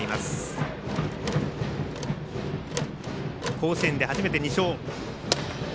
甲子園で初めて２勝。